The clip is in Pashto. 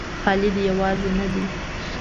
خالد یوازې نه دی.